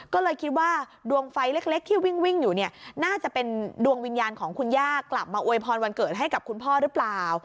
ก็เลยคิดว่าดวงไฟเล็กที่วิ่งอยู่เนี่ยน่าจะเป็นดวงวิญญาณของคุณย่ากลับมาอวยพรวันเกิดให้กับคุณพ่อหรือเปล่า